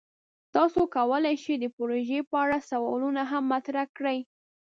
تاسو کولی شئ د پروژې په اړه سوالونه هم مطرح کړئ.